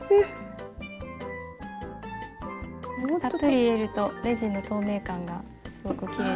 たっぷり入れるとレジンの透明感がすごくきれいなので。